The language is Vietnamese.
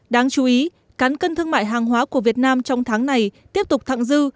đáng chú ý cán cân thương mại hàng hóa của việt nam trong tháng này tiếp tục thẳng dư